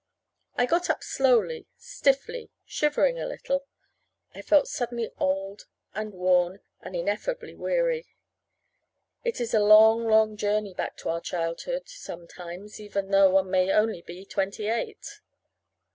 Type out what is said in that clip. I got up slowly, stiffly, shivering a little. I felt suddenly old and worn and ineffably weary. It is a long, long journey back to our childhood sometimes, even though one may be only twenty eight.